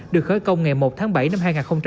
được khởi công ngày một tháng bảy năm hai nghìn hai mươi